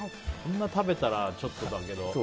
こんな食べたらちょっとだけど。